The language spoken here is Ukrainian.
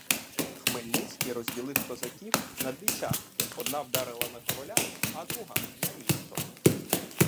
Хмельницький розділив козаків на дві частки: одна вдарила на короля, а друга на місто.